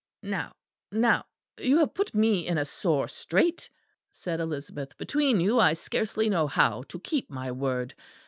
"Now, now, you have put me in a sore strait," said Elizabeth; "between you I scarcely know how to keep my word.